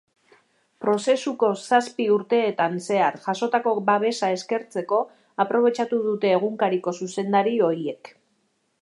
Prozesuko zazpi urteetan zehar jasotako babesa eskertzeko aprobetxatu dute egunkariko zuzendari ohiek.